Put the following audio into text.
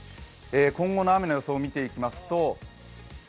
今後の雨の予想を見ていきます。